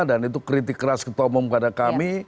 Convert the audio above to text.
dan itu kritik keras ketomong pada kami